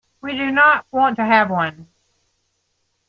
We do not want to have one.